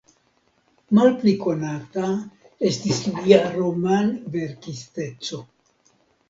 Malpli konata estis lia romanverkisteco.